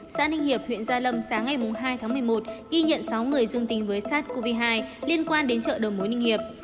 xã ninh hiệp huyện gia lâm sáng ngày hai tháng một mươi một ghi nhận sáu người dương tính với sars cov hai liên quan đến chợ đầu mối ninh hiệp